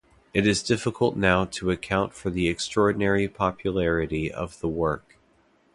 It is difficult now to account for the extraordinary popularity of the work.